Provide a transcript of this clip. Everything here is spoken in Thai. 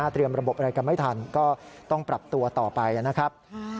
ระบบอะไรกันไม่ทันก็ต้องปรับตัวต่อไปนะครับ